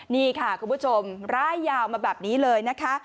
นี่ค่ะคุณผู้ชมร้ายยาวมาแบบนี้เลยนะคะ